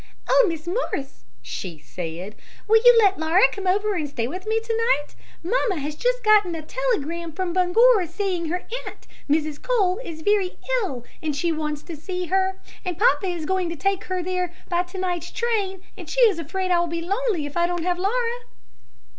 "Oh, Mrs. Morris," she said, "will you let Laura come over and stay with me to night? Mamma has just gotten a telegram from Bangor, saying that her aunt, Mrs. Cole, is very ill, and she wants to see her, and papa is going to take her there by to night's train, and she is afraid I will be lonely if I don't have Laura."